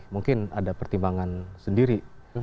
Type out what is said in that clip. mungkin ada pertimbangan sendiri